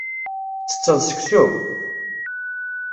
Ttetteḍ seksu?